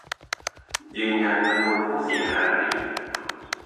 ยืนยันจำนวนผู้เสียหาย